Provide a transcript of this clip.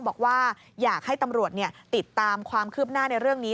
บอกว่าอยากให้ตำรวจติดตามความคืบหน้าในเรื่องนี้